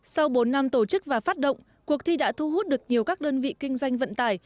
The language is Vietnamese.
sau bốn năm tổ chức và phát động cuộc thi đã thu hút được nhiều các đơn vị kinh doanh vận tải